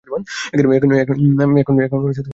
এখন, শক্ত হয়ে বসো।